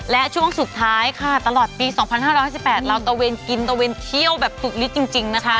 และช่วงสุดท้ายค่ะตลอดปี๒๕๕๘เราตะเวนกินตะเวนเที่ยวแบบสุดลิดจริงนะคะ